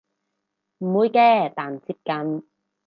唔會嘅但接近